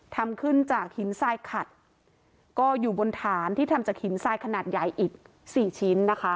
ทำขึ้นจากหินทรายขัดก็อยู่บนฐานที่ทำจากหินทรายขนาดใหญ่อีกสี่ชิ้นนะคะ